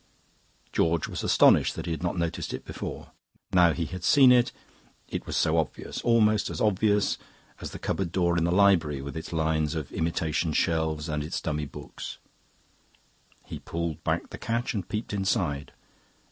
George was astonished that he had not noticed it before; now he had seen it, it was so obvious, almost as obvious as the cupboard door in the library with its lines of imitation shelves and its dummy books. He pulled back the catch and peeped inside.